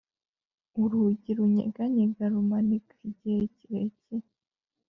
urugi runyeganyega rumanika igihe kirekire